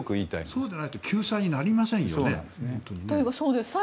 そうじゃないと救済にならないですよね。